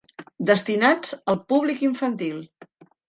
Destinats al públic infantil.